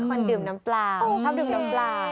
คนดื่มน้ำปลาชอบดื่มน้ำปลา